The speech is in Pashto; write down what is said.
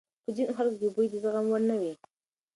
په ځینو خلکو کې بوی د زغم وړ نه وي.